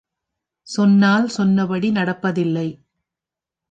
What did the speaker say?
சொன்னால் சொன்னபடி நடப்பதில்லை.